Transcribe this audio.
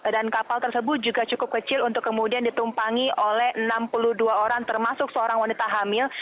dan kapal tersebut juga cukup kecil untuk kemudian ditumpangi oleh enam puluh dua orang termasuk seorang wanita hamil